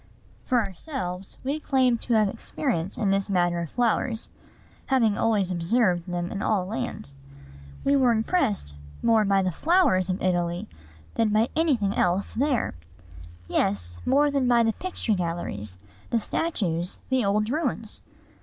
For ourselves, we claim to have experience in this matter of flowers; having always observed them in all lands. We were impressed more by the flowers of Italy than by any thing else there; yes, more than by the picture galleries, the statues, the old ruins.